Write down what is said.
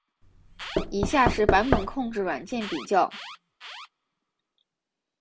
以下是版本控制软件比较。